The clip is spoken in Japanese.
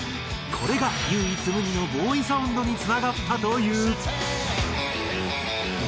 これが唯一無二のＢＯＷＹサウンドにつながったという。